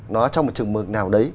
nó trong một trường mực nào đấy